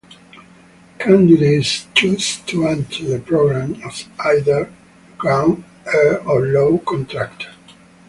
Candidates choose to enter the program as either a ground, air, or law contract.